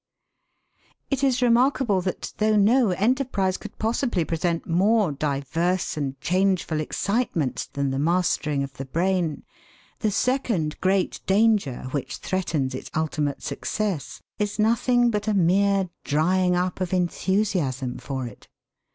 It is remarkable that, though no enterprise could possibly present more diverse and changeful excitements than the mastering of the brain, the second great danger which threatens its ultimate success is nothing but a mere drying up of enthusiasm for it!